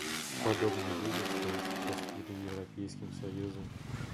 Подобный вызов стоит сейчас перед Европейским союзом.